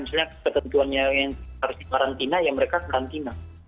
misalnya ketentuannya yang harus dikarantina ya mereka karantina